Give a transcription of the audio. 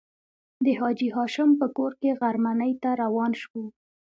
د حاجي هاشم په کور کې غرمنۍ ته روان شوو.